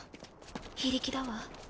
非力だわ。